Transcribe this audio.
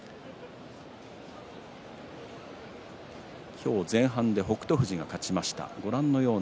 今日、前半で北勝富士が勝ちました。